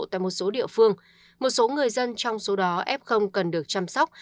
tại một số địa phương một số người dân trong số đó f cần được chăm sóc